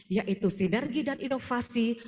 yaitu sinergi dan inovasi